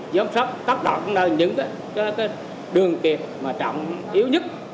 giống sắp tắt đoạn những cái đường kịp mà trọng yếu nhất